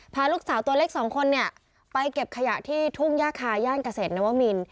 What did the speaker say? พาลูกสาวตัวเล็กสองคนเนี่ยไปเก็บขยะที่ทุ่งย่าคาย่านเกษตรนวมิน